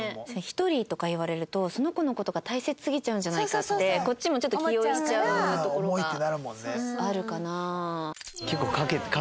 「１人」とか言われるとその子の事が大切すぎちゃうんじゃないかってこっちもちょっと気負いしちゃうところがあるかな。